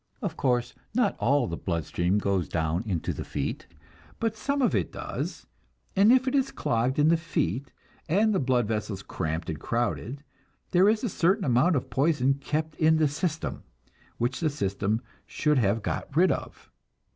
Of course, not all the blood stream goes down into the feet, but some of it does, and if it is clogged in the feet, and the blood vessels cramped and crowded, there is a certain amount of poison kept in the system, which the system should have got rid of.